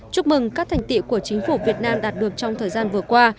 chúc mừng các thành tiệu của chính phủ việt nam đạt được trong thời gian vừa qua